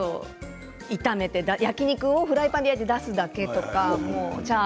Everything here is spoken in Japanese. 本当にあと炒め、て焼き肉をフライパンで焼いて出すだけとか。